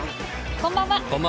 こんばんは。